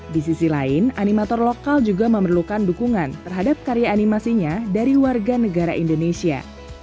di sisi lain animator lokal juga memerlukan dukungan terhadap karya animasinya dari warga negara indonesia